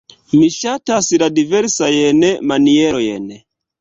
Mi ŝatas la diversajn manierojn.